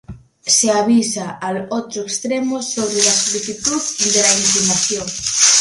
Se avisa al otro extremo sobre la solicitud de la iniciación.